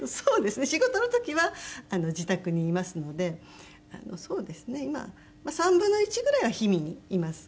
仕事の時は自宅にいますのでそうですね今３分の１ぐらいは氷見にいます。